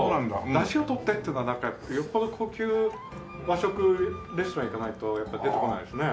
ダシを取ってっていうのはよっぽど高級和食レストラン行かないとやっぱ出てこないですね。